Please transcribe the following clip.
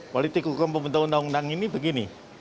politik hukum pembentuk undang undang ini begini